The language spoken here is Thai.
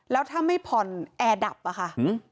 แล้วถ้าไม่ผ่อนแอร์ดับอะค่ะ